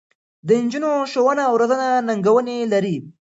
د نجونو ښوونه او روزنه ننګونې لري.